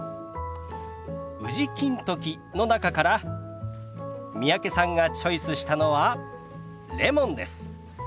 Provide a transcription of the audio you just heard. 宇治金時の中から三宅さんがチョイスしたのはレモンです。